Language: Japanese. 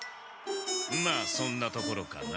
まあそんなところかな。